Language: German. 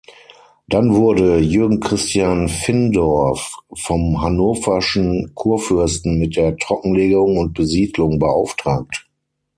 Dann wurde Jürgen Christian Findorff vom hannoverschen Kurfürsten mit der Trockenlegung und Besiedlung beauftragt.